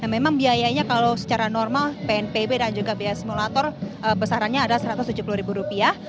memang biayanya kalau secara normal pnpb dan juga biaya simulator besarannya adalah satu ratus tujuh puluh ribu rupiah